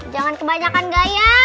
jangan kebanyakan gaya